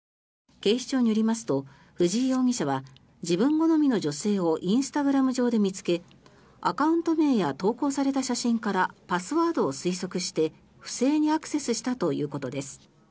警視庁によりますと藤井容疑者は自分好みの女性をインスタグラム上で見つけアカウント名や投稿された写真からパスワードを推測して、不正にアクセスしたということです。